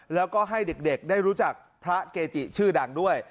แล้วก็ให้เด็กได้รู้จักพระเกจิชื่อดังด้วย